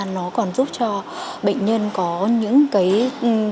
nó còn giúp cho bệnh nhân có những phút thư